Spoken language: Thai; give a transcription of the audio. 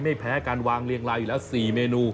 ไม่แพ้การวางเรียงลายอยู่แล้ว๔เมนู